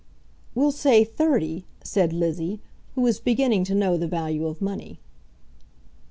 "We'll say thirty," said Lizzie, who was beginning to know the value of money.